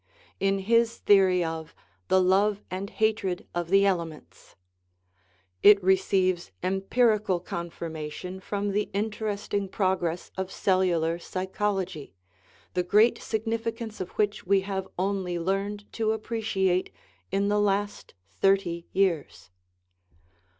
in his theory of "the love and hatred of the elements." It receives empirical confirmation from the interesting progress of cellular psychology, the great significance of which we have only learned to * Cf. Monism' by Ernst Haeckel. 224 THE LAW OF SUBSTANCE appreciate in the last thirty years.